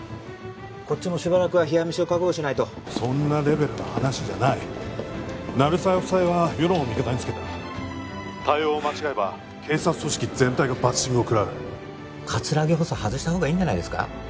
こっちもしばらくは冷や飯を覚悟しないとそんなレベルの話じゃない鳴沢夫妻は世論を味方につけた☎対応を間違えば警察組織全体がバッシングを食らう葛城補佐外した方がいいんじゃないですか？